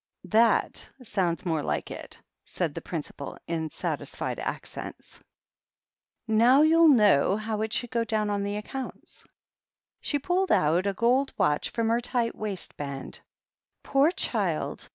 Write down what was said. "That sounds more like itl" said the principal, in satisfied accents. "Now you'll know how it should go down on the account." She pulled out a gold watch from her tight waist band. "Poor child!